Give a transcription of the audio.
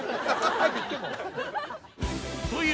早く行ってもう。